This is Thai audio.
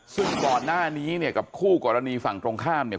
ซึ่งก่อนหน้านี้เนี่ยกับคู่กรณีฝั่งตรงข้ามเนี่ย